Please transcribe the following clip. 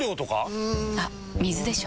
うん。あっ水でしょ。